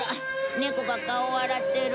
猫が顔を洗ってる。